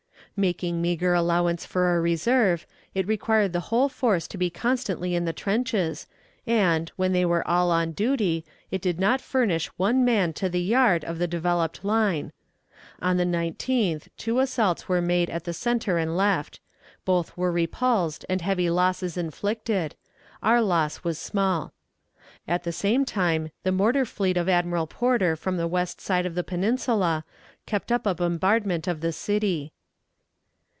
Making meager allowance for a reserve, it required the whole force to be constantly in the trenches, and, when they were all on duty, it did not furnish one man to the yard of the developed line. On the 19th two assaults were made at the center and left. Both were repulsed and heavy loss inflicted; our loss was small. At the game time the mortar fleet of Admiral Porter from the west side of the peninsula kept up a bombardment of the city.